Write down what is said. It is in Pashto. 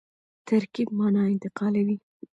ترکیب مانا انتقالوي.